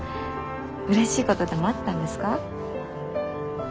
うれしいことでもあったんですか？